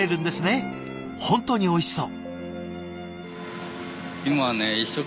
本当においしそう。